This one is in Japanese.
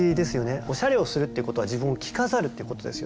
おしゃれをするっていうことは自分を着飾るっていうことですよね。